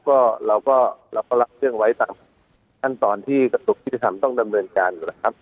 ก็เราก็รับเรื่องไว้ตามขั้นตอนที่กระตุกที่จะทำต้องดำเนินการก็แล้วครับ